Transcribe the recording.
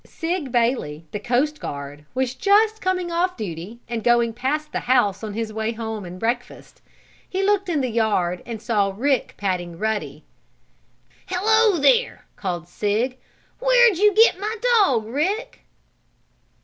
Sig Bailey, the coast guard, was just coming off duty, and going past the house on his way to home and breakfast. He looked in the yard and saw Rick patting Ruddy. "Hello there!" called Sig. "Where'd you get my dog, Rick?"